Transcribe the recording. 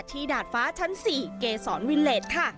ดาดฟ้าชั้น๔เกษรวิเลสค่ะ